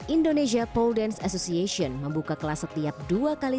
indonesia pole dance association membuka kelas setiap dua kali